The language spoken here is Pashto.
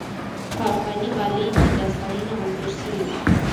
په افغاني غالۍ کې داستانونه انځور شوي وي.